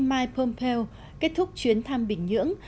mike pompeo kết thúc chuyến thăm bình nhưỡng